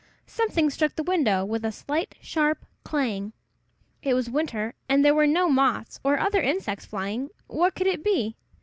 Something struck the window with a slight, sharp clang. It was winter, and there were no moths or other insects flying, What could it be?